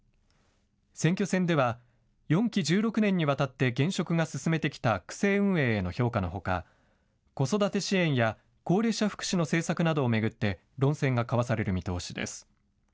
選挙戦では４期１６年にわたって現職が進めてきた区政運営への評価のほか子育て支援や高齢者福祉の政策などを巡って論戦が交わされる見通しです。